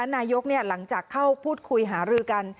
หลังจากเข้าพูดคุยหารือกัน